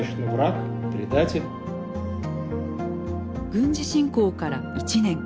軍事侵攻から１年。